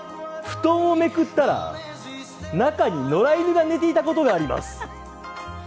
布団をめくったら中に野良犬が寝ていた事があります。